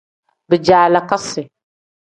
Bijaalakasi.